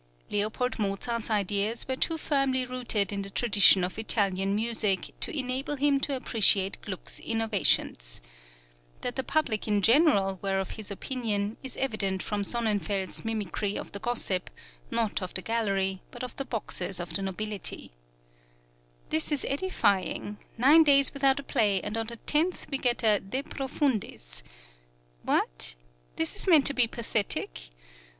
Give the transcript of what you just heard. L. Mozart's ideas were too firmly rooted in the tradition of Italian music to enable him to appreciate Gluck's innovations. That the public in general were of his opinion is evident from Sonnenfels' mimicry of the gossip, not of the gallery, but of the boxes of the nobility: "This is edifying! Nine days without a play, and on the tenth we get a De profundis What? This is meant to be pathetic?